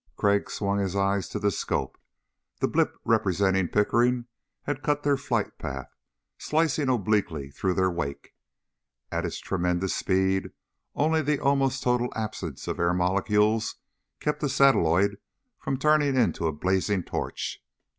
Crag swung his eyes to the scope. The blip representing Pickering had cut their flight path, slicing obliquely through their wake. At its tremendous speed only the almost total absence of air molecules kept the satelloid from turning into a blazing torch.